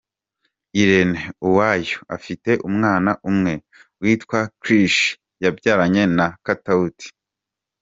Irene Uwoya afite umwana umwe witwa Krish yabyaranye na Katauti.